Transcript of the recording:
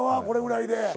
これぐらいで。